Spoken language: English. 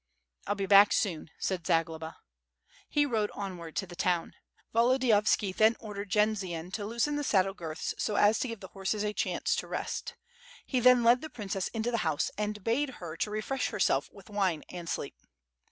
'^ "I'll be back soon," said Zagloba. He rode onward to the tawn. Volodiyovski then ordered Jendzian to loosen the saddle girths so as to give the horses a chance to rest. He then led the princess into the house, and ba de here to refresh herself with wine and sleep.